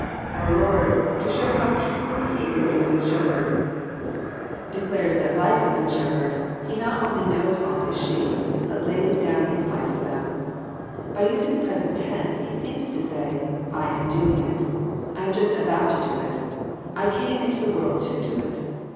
] Our Lord, to show how truly He is the Good Shepherd, declares that like a good JOHN^ CHAP. X, 197 shepherd He not only knows all His sheep, bnt lays down His life for them. By nsing the present tense, He seems to say, I am doing it. I am just about to do it. I came into the world to do it."